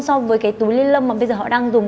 so với cái túi lê lâm mà bây giờ họ đang dùng